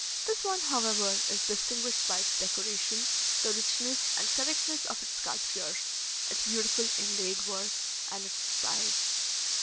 This one, however, is distinguished by its decoration, the richness and correctness of its sculptures, its beautiful inlaid work, and its size.